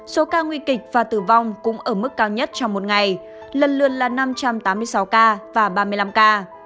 số ca nguy kịch và tử vong cũng ở mức cao nhất trong một ngày lần lượt là năm trăm tám mươi sáu ca và ba mươi năm ca